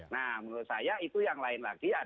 nah menurut saya itu yang lain lagi